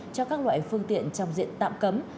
cho các loại phương tiện trong diện tạm cấm